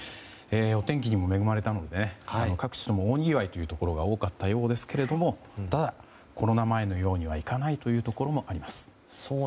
お天気にも恵まれたので各地とも大にぎわいというところが多かったようですけどもただ、コロナ前のようにはいかないというところもあります。